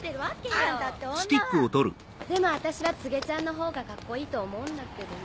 でも私は柘植ちゃんのほうがカッコいいと思うんだけどな。